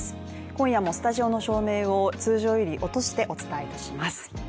今夜もスタジオの照明を通常より落としてお伝えします。